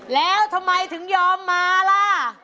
แล้วทำไมถึงยอมมาล่ะ